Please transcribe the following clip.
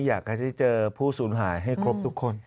อยากให้ได้เจอผู้สูญหายให้ครบทุกคน